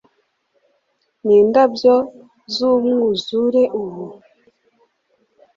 n'indabyo z'umwuzure ubu